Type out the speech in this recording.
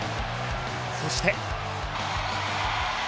そして。